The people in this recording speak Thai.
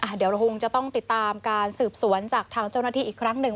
เดี๋ยวเราคงจะต้องติดตามการสืบสวนจากทางเจ้าหน้าที่อีกครั้งหนึ่ง